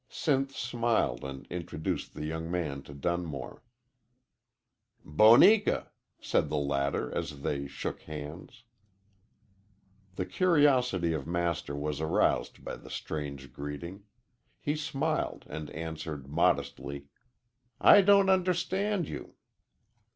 Sinth smiled and introduced the young man to Dunmore. "Boneka!" said the latter as they shook hands. The curiosity of Master was aroused by the strange greeting. He smiled, and answered, modestly, "I don't understand you."